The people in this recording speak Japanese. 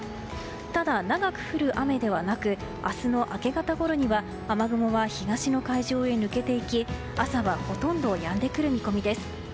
ただ長く降る雨ではなく明日の明け方ごろには雨雲は東の海上へ抜けていき朝はほとんどやんでくる見込みです。